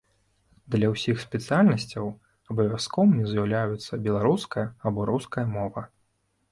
Для ўсіх спецыяльнасцяў абавязковымі з'яўляюцца беларуская або руская мова.